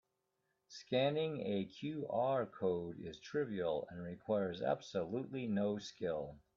Scanning a QR code is trivial and requires absolutely no skill.